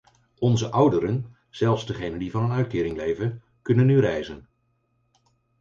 Onze ouderen, zelfs degene die van een uitkering leven, kunnen nu reizen.